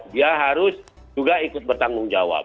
dia harus juga ikut bertanggung jawab